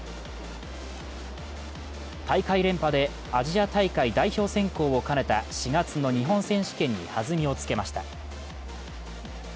大会連覇でアジア大会代表選考を兼ねた４月の日本選手権に弾みをつけました。